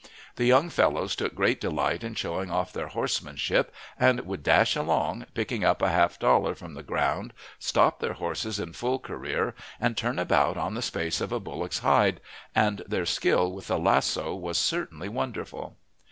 The young fellows took great delight in showing off their horsemanship, and would dash along, picking up a half dollar from the ground, stop their horses in full career and turn about on the space of a bullock's hide, and their skill with the lasso was certainly wonderful.